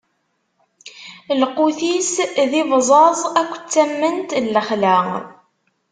Lqut-is, d ibẓaẓ akked tament n lexla.